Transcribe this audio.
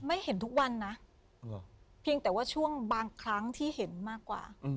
เห็นทุกวันนะเพียงแต่ว่าช่วงบางครั้งที่เห็นมากกว่า